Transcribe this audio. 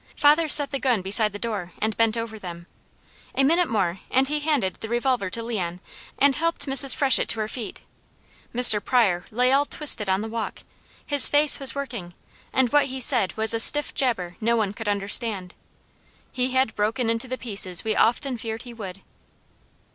Father set the gun beside the door, and bent over them. A minute more and he handed the revolver to Leon, and helped Mrs. Freshett to her feet. Mr. Pryor lay all twisted on the walk, his face was working, and what he said was a stiff jabber no one could understand. He had broken into the pieces we often feared he would.